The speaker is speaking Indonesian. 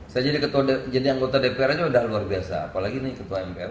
saya jadi anggota dpr aja udah luar biasa apalagi ini ketua mpr